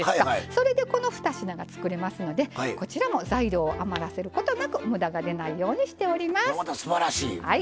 それで、この２品が作れますので材料を余らせることなくむだが出ないようにしてます。